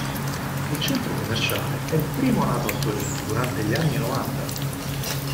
Il centro commerciale è il primo nato a Torino durante gli anni novanta.